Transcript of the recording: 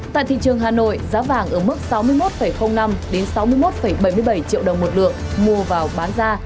tại thị trường hà nội giá vàng ở mức sáu mươi một năm sáu mươi một bảy mươi bảy triệu đồng một lượng mua vào bán ra